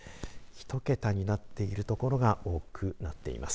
１桁になっている所が多くなっています。